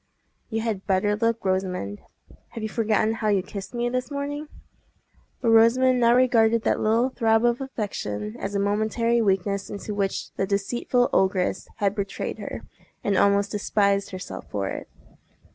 "You had better look, Rosamond. Have you forgotten how you kissed me this morning?" But Rosamond now regarded that little throb of affection as a momentary weakness into which the deceitful ogress had betrayed her, and almost despised herself for it.